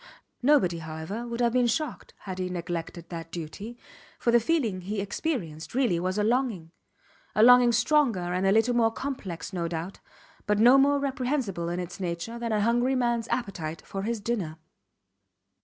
Nobody, however, would have been shocked had he neglected that duty, for the feeling he experienced really was a longing a longing stronger and a little more complex no doubt, but no more reprehensible in its nature than a hungry mans appetite for his dinner.